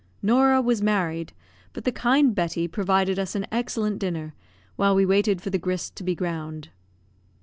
Norah was married, but the kind Betty provided us an excellent dinner, while we waited for the grist to be ground.